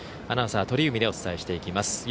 アナウンサー、鳥海でお伝えしていきます。